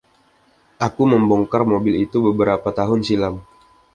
Aku membongkar mobil itu beberapa tahun silam.